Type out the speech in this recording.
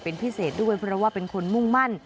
เป็นพิเศษด้วยเพราะว่าเป็นคนมุ่งมั่น